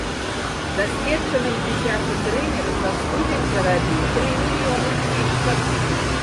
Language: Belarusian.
Дасведчаны ж дзіцячы трэнер за студзень зарабіў тры мільёны з лішкам.